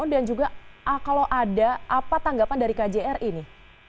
dan juga kalau ada apa tanggapan dari kjri ini